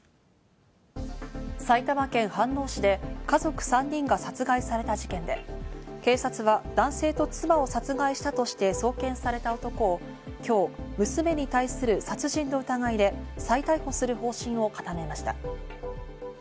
埼玉県飯能市で家族３人が殺害された事件で、警察は、男性と妻を殺害したとして送検された男を今日、娘に対する殺人の疑いで再逮捕する方針を固めました。